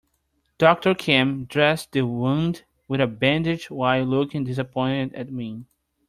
Doctor Kim dressed the wound with a bandage while looking disappointed at me.